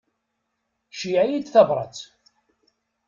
Ceyyeɛ-iyi-d tabrat.